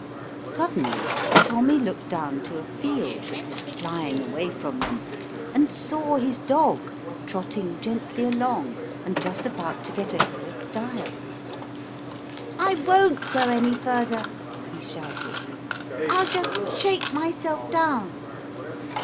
Suddenly Tommy looked down to a field that was flying away from them, and saw his dog trotting gently along and just about to get over a stile. " I wont go any further," he shouted, " I'll just shake myself down."